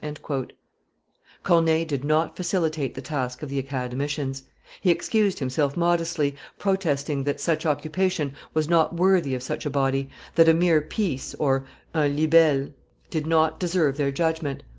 Corneille did not facilitate the task of the Academicians: he excused himself modestly, protesting that such occupation was not worthy of such a body, that a mere piece (un libelle) did not deserve their judgment.